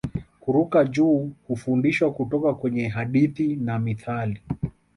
Kuruka juu hufundishwa kutoka kwenye hadithi na mithali